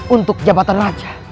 untuk jabatan raja